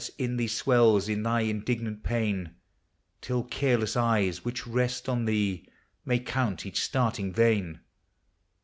s in thee swells, in thy indignant pain, Till careless eyes, which rest on thee, may count each starting vein.